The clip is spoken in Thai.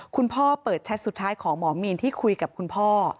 พ่อเปิดแชทสุดท้ายของหมอมีนที่คุยกับคุณพ่อ